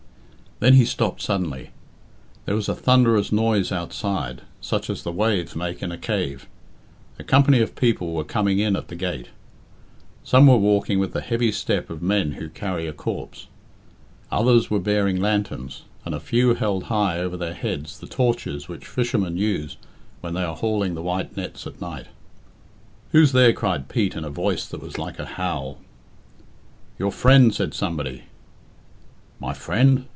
Then he stopped suddenly. There was a thunderous noise outside, such as the waves make in a cave. A company of people were coming in at the gate. Some were walking with the heavy step of men who carry a corpse. Others were bearing lanterns, and a few held high over their heads the torches which fishermen use when they are hauling the white nets at night. "Who's there?" cried Pete, in a voice that was like a howl. "Your friend," said somebody. "My friend?